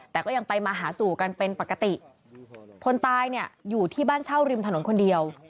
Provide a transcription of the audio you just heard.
แต่ก็ยังไปมาหาสู่กันเป็นปกติคนตายเนี่ยอยู่ที่บ้านเช่าริมถนนคนเดียว